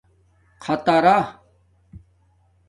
خطرا